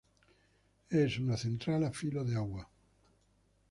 Es una central a filo de agua.